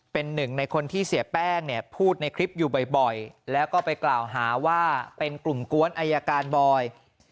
เป็นหนึ่งในคนที่เสียแป้งเนี่ยพูดในคลิปอยู่บ่อยแล้วก็ไปกล่าวหาว่าเป็นกลุ่มกวนอายการบอย